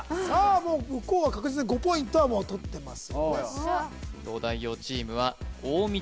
もう向こうは確実に５ポイントはもうとってます